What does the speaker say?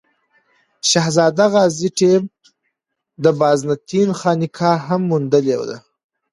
شهزاده غازي ټیم د بازنطین خانقا هم موندلې ده.